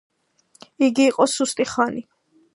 იგი იყო სუსტი ხანი.